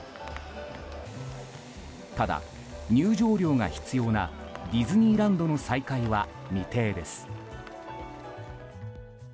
ただ入場料が必要なディズニーランドの再開は未定です。